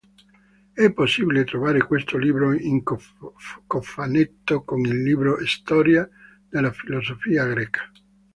È possibile trovare questo libro in cofanetto con il libro "Storia della filosofia greca.